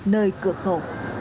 nơi cửa khẩu